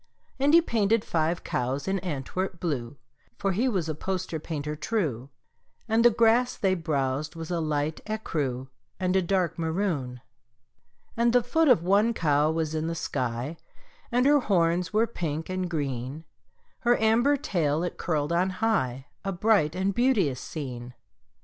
And he painted five cows in Antwerp blue (For he was a poster painter true), And the grass they browsed was a light écru And a dark maroon. And the foot of one cow was in the sky, And her horns were pink and green; Her amber tail it curled on high A bright and beauteous scene.